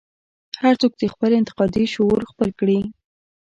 هر څوک دې خپل انتقادي شعور خپل کړي.